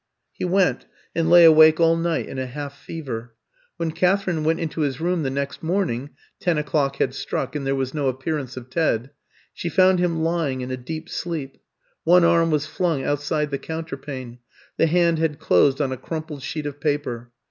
He went, and lay awake all night in a half fever. When Katherine went into his room the next morning (ten o'clock had struck, and there was no appearance of Ted), she found him lying in a deep sleep; one arm was flung outside the counterpane, the hand had closed on a crumpled sheet of paper.